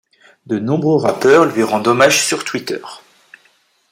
De nombreux rappeurs lui rendent hommage sur Twitter.